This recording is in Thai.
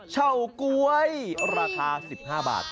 เฉาก๊วยราคา๑๕บาท